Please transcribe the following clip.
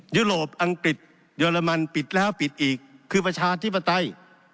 ยุโรปอังกฤษเยอรมันปิดแล้วปิดอีกคือประชาธิปไตย